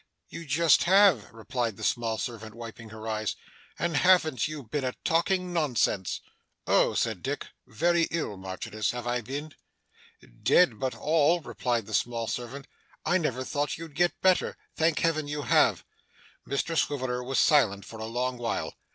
'You just have!' replied the small servant, wiping her eyes. 'And haven't you been a talking nonsense!' 'Oh!' said Dick. 'Very ill, Marchioness, have I been?' 'Dead, all but,' replied the small servant. 'I never thought you'd get better. Thank Heaven you have!' Mr Swiveller was silent for a long while.